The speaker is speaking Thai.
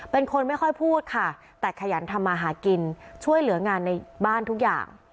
เป็นคนไม่ค่อยพูดค่ะแต่ขยันทำมาหากินช่วยเหลืองานในบ้านทุกอย่าง